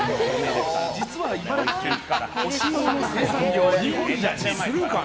実は茨城県、ほしいもの生産量日本一。